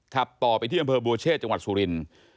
ขับต่อไปที่บบัวเชษจังหวัดสุริน